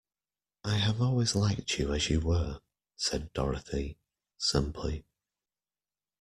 "I have always liked you as you were," said Dorothy, simply.